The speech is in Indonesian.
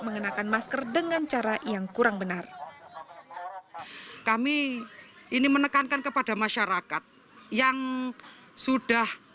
mengenakan masker dengan cara yang kurang benar kami ini menekankan kepada masyarakat yang sudah